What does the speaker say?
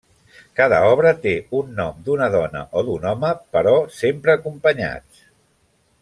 Cada obra té un nom d’una dona o d’un home, però sempre acompanyats.